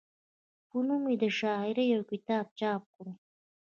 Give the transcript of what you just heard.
پۀ نوم د شاعرۍ يو کتاب چاپ کړو،